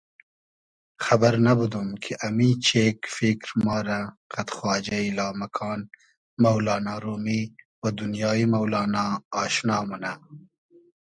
خئبئر نئبودوم کی امی چېگ فیکر ما رۂ قئد خواجۂ یی لامکان مۆلانا رومیؒ و دونیایی مۆلانا آشنا مونۂ